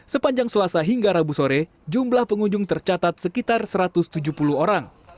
sepanjang selasa hingga rabu sore jumlah pengunjung tercatat sekitar satu ratus tujuh puluh orang